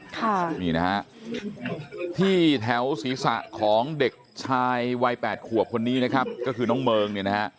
ที่แถวศีรษะของเด็กชายวัยแปดขวบคนนี้นะครับก็คือน้องเมิง